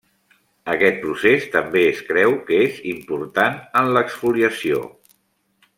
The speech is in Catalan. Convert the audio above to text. Aquest procés també es creu que és important en l'exfoliació.